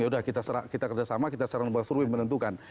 ya sudah kita kerjasama kita secara lembaga survei menentukan